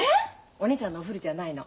お姉ちゃんのお古じゃないの。